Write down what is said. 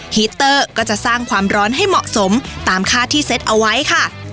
ฮิตเตอร์ก็จะสร้างความร้อนให้เหมาะสมตามคาดที่เซ็ตเอาไว้ค่ะ